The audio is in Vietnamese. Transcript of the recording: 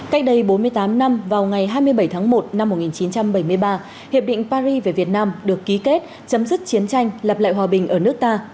cách đây bốn mươi tám năm vào ngày hai mươi bảy tháng một năm một nghìn chín trăm bảy mươi ba hiệp định paris về việt nam được ký kết chấm dứt chiến tranh lập lại hòa bình ở nước ta